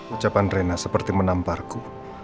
ucapan rena seperti menamparku